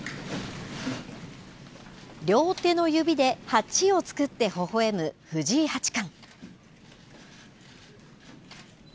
両手の指で８をつくってほほえむ藤井八冠。